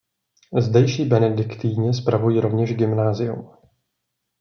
Zdejší benediktini spravují rovněž gymnázium.